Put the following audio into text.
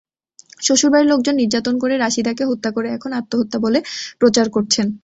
শ্বশুরবাড়ির লোকজন নির্যাতন করে রাশিদাকে হত্যা করে এখন আত্মহত্যা বলে প্রচার করছেন।